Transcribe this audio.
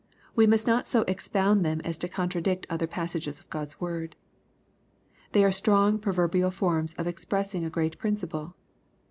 We must not so expound them as to contradict other passages of God's word. They are strong proverbial forms of expressing .% great principle.